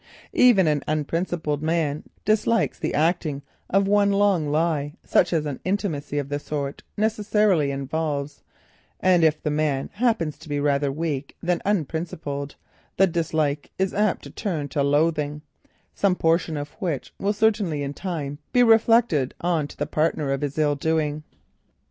Even an unprincipled man dislikes the acting of one long lie such as an intimacy of the sort necessarily involves, and if the man happens to be rather weak than unprincipled, the dislike is apt to turn to loathing, some portion of which will certainly be reflected on to the partner of his ill doing.